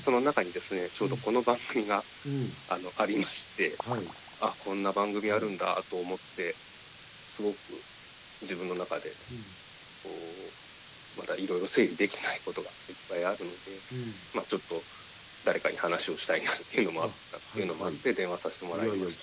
その中にですねちょうどこの番組がありましてあこんな番組あるんだと思ってすごく自分の中でこうまだいろいろ整理できてないことがいっぱいあるのでちょっと誰かに話をしたいなっていうのもあって電話させてもらいました。